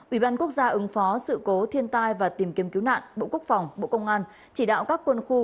ủy ban quốc gia ứng phó sự cố thiên tai và tìm kiếm cứu nạn bộ quốc phòng bộ công an chỉ đạo các quân khu